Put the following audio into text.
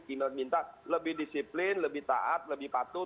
kita minta lebih disiplin lebih taat lebih patuh